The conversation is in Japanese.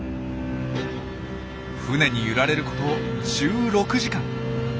船に揺られること１６時間。